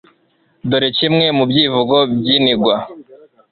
dore kimwe mu byivugo by'iningwa